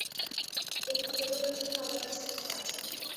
এই ক্ষতগুলোর জন্য আমার কাছে কিছু আছে।